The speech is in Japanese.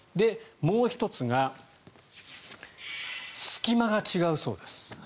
もう１つが隙間が違うそうです。